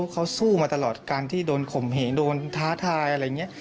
เขาสู้มาตลอดการที่โดนข่มเหงโดนท้าทายอะไรอย่างนี้